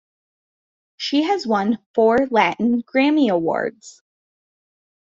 She has won four Latin Grammy Awards.